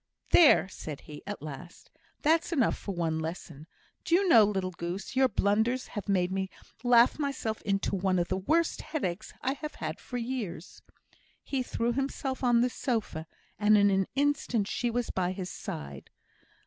"There!" said he, at last, "that's enough for one lesson. Do you know, little goose, your blunders have made me laugh myself into one of the worst headaches I have had for years." He threw himself on the sofa, and in an instant she was by his side.